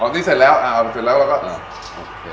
อ๋อนี่เสร็จแล้วเอาเสร็จแล้วแล้วก็